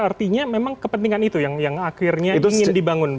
artinya memang kepentingan itu yang akhirnya ingin dibangun